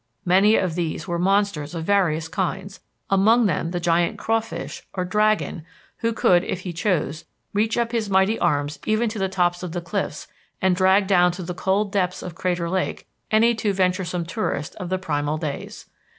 Many of these were monsters of various kinds, among them the giant crawfish (or dragon) who could, if he chose, reach up his mighty arms even to the tops of the cliffs and drag down to the cold depths of Crater Lake any too venturesome tourist of the primal days.